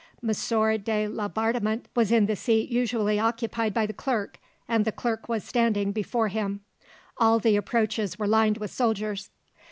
M. de Laubardemont was in the seat usually occupied by the clerk, and the clerk was standing before him. All the approaches were lined with soldiers.